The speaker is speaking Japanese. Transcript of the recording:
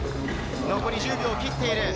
残り１０秒切っている。